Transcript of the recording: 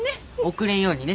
遅れんようにね。